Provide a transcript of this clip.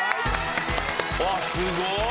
うわっすごーい！